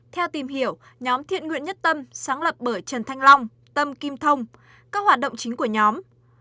theo tìm hiểu nhóm thiện nguyện nhất tâm sáng lập bởi trần thanh long tâm kim thông các hoạt động chính của nhóm